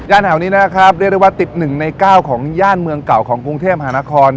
ย่านเหล่านี้นะครับเรียกได้ว่าติดหนึ่งในก้าวของย่านเมืองเก่าของกรุงเทพฯหานคร